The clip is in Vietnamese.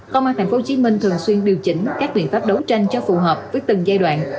công an tp hcm thường xuyên điều chỉnh các biện pháp đấu tranh cho phù hợp với từng giai đoạn